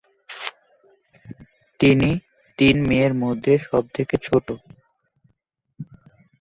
তিনি তিন মেয়ের মধ্যে সবচেয়ে ছোট।